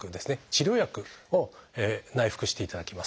治療薬を内服していただきます。